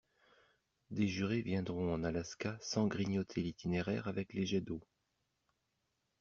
Des jurés viendront en Alaska sans grignoter l'itinéraire avec les jets d'eau.